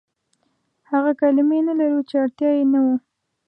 هغه کلمې نه لرو، چې اړتيا يې نه وه.